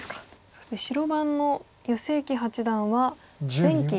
そして白番の余正麒八段は前期